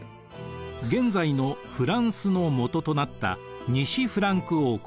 現在のフランスのもととなった西フランク王国。